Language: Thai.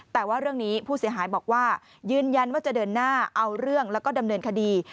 แต่ว่าเรื่องนี้ผู้เสียหายบอกว่ายืนยันว่าจะเดินหน้าเอาเรื่องแล้วก็ดำเนินคดี